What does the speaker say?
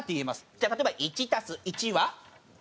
じゃあ例えば１足す１は２。